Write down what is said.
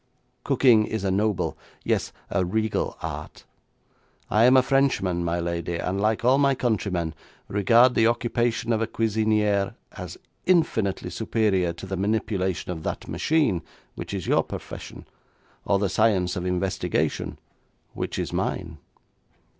Cooking is a noble, yes, a regal art. I am a Frenchman, my lady, and, like all my countrymen, regard the occupation of a cuisinière as infinitely superior to the manipulation of that machine, which is your profession, or the science of investigation, which is mine.'